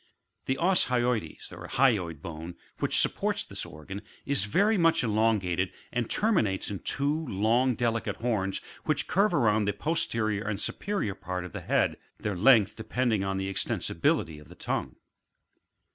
The os hyoides (hyoid bone) which supports this orgsm, is very much elongated, and terminates in two long delicate horns which curve round the posterior and superior part of the head, their length depending on the extensibility of the tongue.